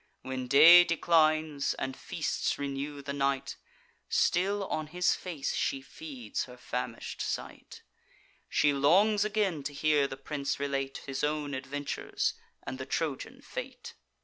When day declines, and feasts renew the night, Still on his face she feeds her famish'd sight; She longs again to hear the prince relate His own adventures and the Trojan fate.